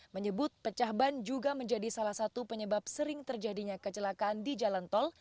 menyebut pecah ban juga menjadi salah satu penyebab sering terjadinya kecelakaan di jalan tol